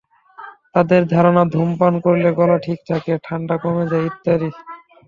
তাদের ধারণা, ধূমপান করলে গলা ঠিক থাকে, ঠান্ডা কমে যায় ইত্যাদি।